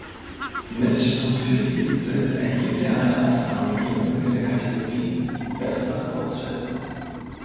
Mit und für diesen Film erhielt er eine Oscarnominierung in der Kategorie „Bester Kurzfilm“.